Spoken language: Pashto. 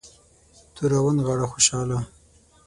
توره ونغاړه خوشحاله.